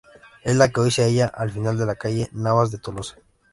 Es la que hoy se halla al final de la calle Navas de Tolosa.